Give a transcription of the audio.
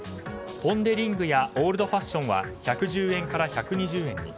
ポン・デ・リングやオールドファッションは１１０円から１２０円に。